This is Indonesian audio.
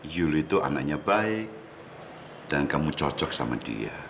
yuli itu anaknya baik dan kamu cocok sama dia